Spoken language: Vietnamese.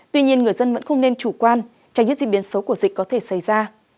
tuy nhiên người dân vẫn không nên chủ quan tránh những diễn biến xấu của dịch có thể xảy ra